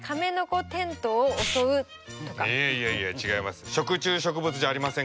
いやいや違います。